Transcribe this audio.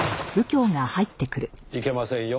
いけませんよ